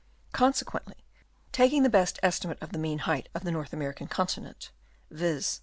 Con sequently, taking the best estimate of the mean height of the North American continent, viz.